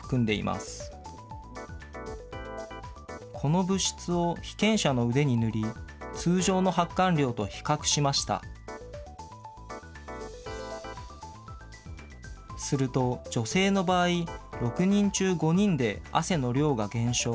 すると、女性の場合、６人中５人で、汗の量が減少。